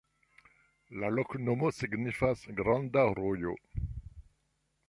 La loknomo signifas: granda rojo.